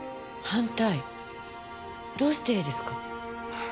どうしてですか？